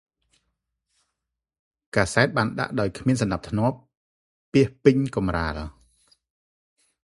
កាសែតបានដាក់ដោយគ្មានសណ្តាប់ធ្នាប់ពាសពេញកំរាល ។